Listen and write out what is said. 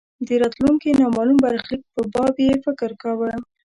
د راتلونکې نامالوم برخلیک په باب یې فکر کاوه.